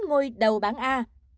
ngôi đầu bản a